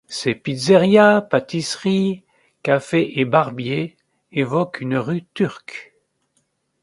Ses pizzerias, pâtisseries, cafés et barbiers évoquent une rue turque.